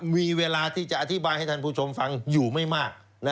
มีเวลาที่จะอธิบายให้ท่านผู้ชมฟังอยู่ไม่มาก